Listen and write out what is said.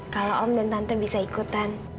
kalau om dan tante bisa ikutan